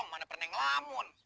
mana pernah ngelamun